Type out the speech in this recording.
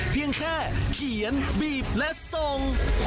เพียงแค่เขียนบีบและส่ง